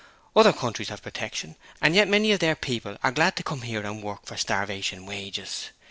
Other countries have Protection and yet many of their people are glad to come here and work for starvation wages.